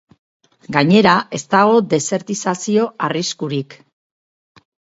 Gainera, ez dago desertizazio arriskurik.